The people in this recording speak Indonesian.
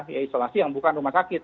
ya isolasi yang bukan rumah sakit